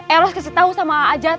eros kasih tahu sama ajad